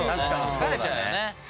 疲れちゃうよね。